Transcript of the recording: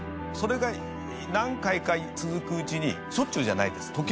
それが何回か続くうちにしょっちゅうじゃないです